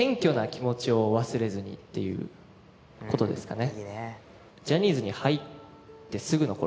っていう事ですかね。